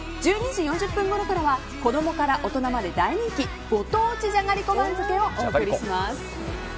１２時４０分ごろからは子供から大人まで大人気、ご当地じゃがりこ番付をお送りします。